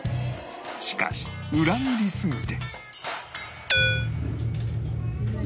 しかし裏切りすぎて